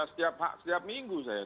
setiap minggu saya